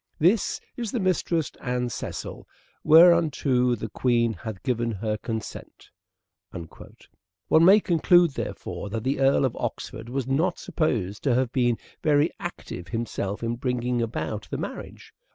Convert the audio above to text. This is the mistress Anne Cycille, whereunto the Queen hath given her consent." One may conclude, therefore, that the Earl of Oxford was not supposed to have been very active himself in bringing'about the marriage.